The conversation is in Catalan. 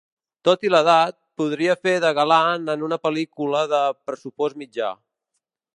Tot i l'edat, podria fer de galant en una pel·lícula de pressupost mitjà.